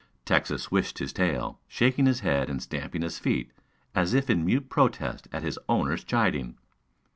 Texas swished his tail, shaking his head and stamping his feet as if in mute protest at his owner's chiding.